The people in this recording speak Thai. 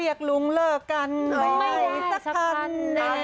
เรียกลุงเล่ากันหน่อยสักครั้ง